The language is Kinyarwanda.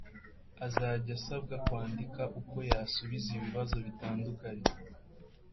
azajya asabwa kwandika uko yasubiza ibibazo bitandukanye